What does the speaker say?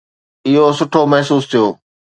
اهو سٺو محسوس ٿيو